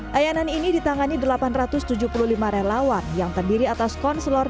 layanan ini ditangani delapan ratus tujuh puluh lima relawan yang terdiri atas konselor dan penyelenggaraan kesehatan jiwa indonesia